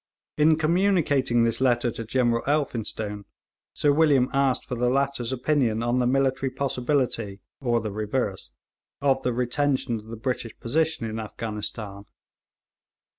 In communicating this letter to General Elphinstone, Sir William asked for the latter's opinion on the military possibility, or the reverse, of the retention of the British position in Afghanistan.